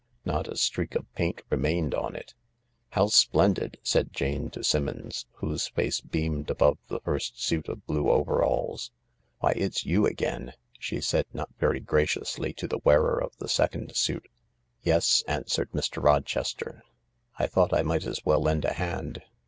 Not a streak of paint remained on it. " How splendid 1 " said Jane to Simmons, whose face beamed above the first suit of blue overalls. " Why, it's you again I " she said, not very graciously, to the wearer of the second suit. " Yes," answered Mr. Rochester. " I thought I might as well lend a hand.